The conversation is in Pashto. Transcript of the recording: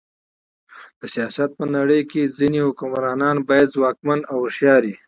د سیاست په نړۍ کښي ځيني حکمرانان باید ځواکمن او هوښیار يي.